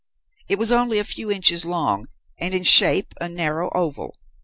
It was only a few inches long and, in shape, a narrow oval.